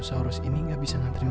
saya bikinkan satenya